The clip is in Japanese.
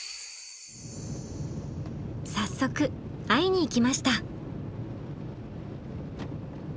早速会いに行きました。